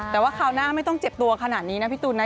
แต่ว่าคราวหน้าไม่ต้องเจ็บตัวขนาดนี้นะพี่ตูนนะ